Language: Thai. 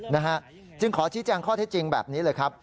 นะฮะจึงขอชี้แจงข้อเท็จจริงแบบนี้เลยครับ